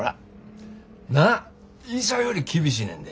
医者より厳しいねんで。